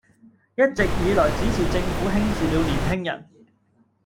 一直以來只是政府輕視了年輕人